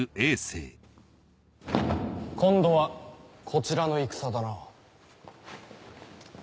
今度はこちらの戦だな。